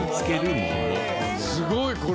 すごいこれ！